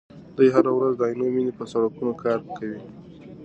دی هره ورځ د عینومېنې په سړکونو کار کوي.